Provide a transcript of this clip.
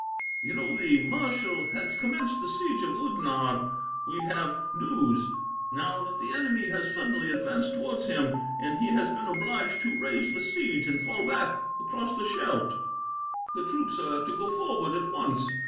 "You know the marshal had commenced the siege of Oudenarde. We have news now that the enemy has suddenly advanced towards him, and he has been obliged to raise the siege, and fall back across the Scheldt. The troops are to go forward at once.